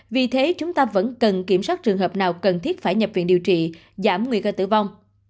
vì thế chúng ta vẫn cần kiểm soát trường hợp nào cần thiết phải nhập viện điều trị giảm nguy cơ tử vong